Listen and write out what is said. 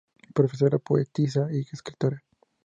Profesora, poetisa y escritora.